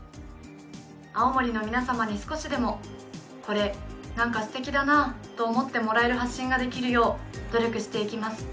青森の皆様に少しでもこれ、なんかすてきだなと思ってもらえる発信ができるよう努力していきます。